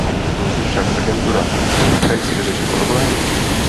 Může však agentura Frontex vyřešit problém?